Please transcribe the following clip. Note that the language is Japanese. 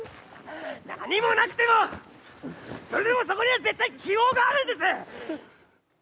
何もなくてもそれでもそこには絶対希望があるんです！